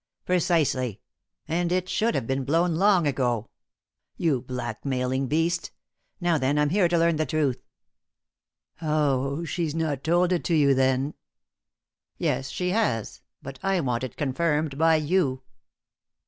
"Precisely. And it should have been blown long ago. You blackmailing beast! Now, then, I'm here to learn the truth." "Oh, she's not told it to you, then?" "Yes, she has. But I want it confirmed by you."